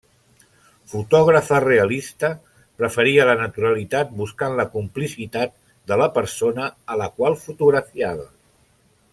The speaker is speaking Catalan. Fotògrafa realista, preferia la naturalitat buscant la complicitat de la persona a la qual fotografiava.